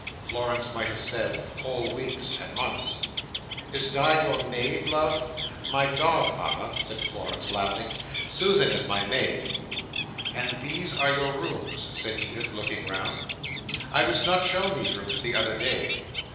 Florence might have said, whole weeks and months. "Is Di your maid, love?" "My dog, Mama," said Florence, laughing. "Susan is my maid." "And these are your rooms," said Edith, looking round. "I was not shown these rooms the other day.